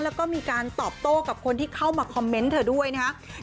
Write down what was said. แล้วก็มีการตอบโต้กับคนที่เข้ามาคอมเมนต์เธอด้วยนะครับ